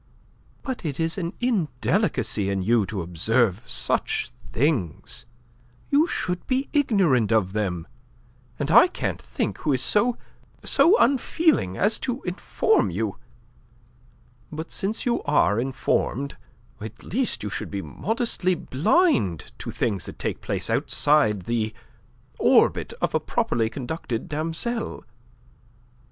"But it is an indelicacy in you to observe such things. You should be ignorant of them, and I can't think who is so... so unfeeling as to inform you. But since you are informed, at least you should be modestly blind to things that take place outside the... orbit of a properly conducted demoiselle."